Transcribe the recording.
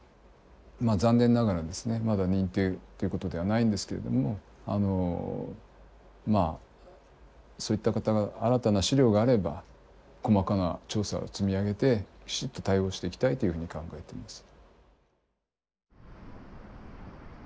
残念ながらですねまだ認定っていうことではないんですけれどもそういった方新たな資料があれば細かな調査を積み上げてきちっと対応していきたいというふうに考えています。